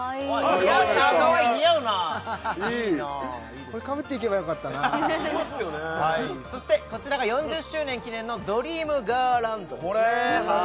かわいい似合うなかわいいいいこれかぶって行けばよかったなそしてこちらが４０周年記念のドリームガーランドですね